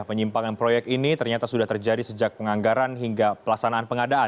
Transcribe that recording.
penyimpangan proyek ini ternyata sudah terjadi sejak penganggaran hingga pelaksanaan pengadaan